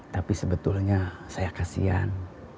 tapi sebetulnya saya kasihan